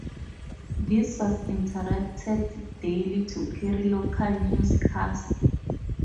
This was interrupted daily to carry local newscasts.